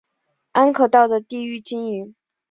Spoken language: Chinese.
安可道的地域经营。